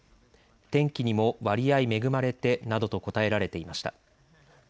天気にも割合恵まれてなどと答えられていました。